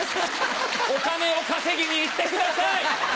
お金を稼ぎに行ってください！